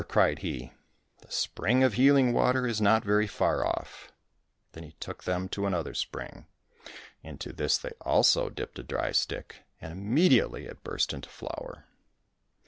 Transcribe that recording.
cried he ;" the spring of healing water is not very far off !" Then he took them to another spring. Into this they also dipped a dry stick, and 284 IVAN GOLIK AND THE SERPENTS immediately it burst into flower.